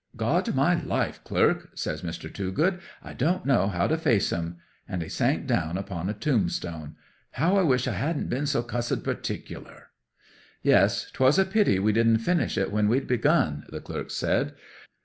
'"God my life, clerk," says Mr. Toogood, "I don't know how to face 'em!" And he sank down upon a tombstone. "How I wish I hadn't been so cussed particular!" '"Yes—'twas a pity we didn't finish it when we'd begun," the clerk said.